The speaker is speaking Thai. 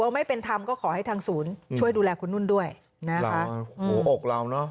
ถ้าไม่เป็นทำก็ขอให้ทางศูนย์ช่วยดูแลคนนู้นด้วยนะคะโอ้โหออกเราเนอะ